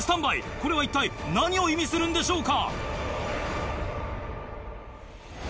これは一体何を意味するんでしょうか。